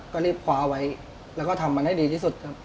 ก็รีบคว้าไว้แล้วก็ทำมันให้ดีที่สุดครับ